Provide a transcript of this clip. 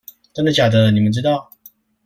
真的假的你們知道